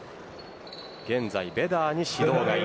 現在ベダーに指導が１。